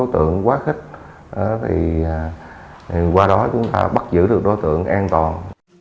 thì qua đó chúng ta bắt giữ được đối tượng an toàn